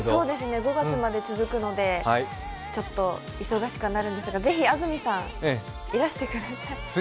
５月まで続くので忙しくなるんですがぜひ安住さん、いらしてください。